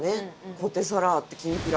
ポテサラあって、きんぴら。